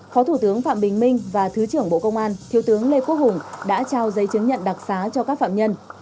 phó thủ tướng phạm bình minh và thứ trưởng bộ công an thiếu tướng lê quốc hùng đã trao giấy chứng nhận đặc xá cho các phạm nhân